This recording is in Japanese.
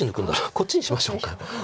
こっちにしましょうか。